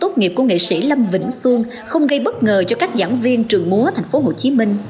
tốt nghiệp của nghệ sĩ lâm vĩnh phương không gây bất ngờ cho các giảng viên trường múa tp hcm